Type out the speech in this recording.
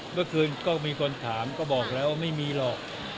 เมื่อคืนก็มีคนถามก็บอกแล้วว่าไม่มีหรอก